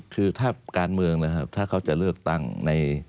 คือถ้าการเมืองนะครับถ้าเขาจะเลือกตั้งใน